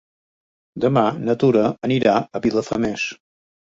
Demà na Tura anirà a Vilafamés.